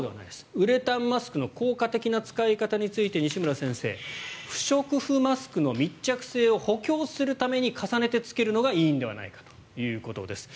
ウレタンマスクの効果的な使い方について西村先生は不織布マスクの密着性を補強するために重ねて着けるのがいいのではないかということです。